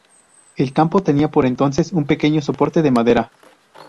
El campo tenía por entonces un pequeño soporte de madera.